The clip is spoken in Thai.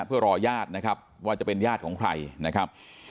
เพื่อรอญาตินะครับว่าจะเป็นญาติของใครนะครับ